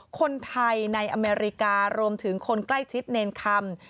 คนไทยในอเมริการวมถึงคนใกล้ชิดเนรคำ